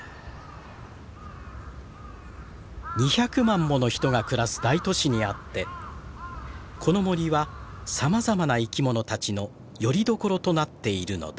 ２００万もの人が暮らす大都市にあってこの森はさまざまな生き物たちのよりどころとなっているのです。